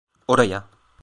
Oraya.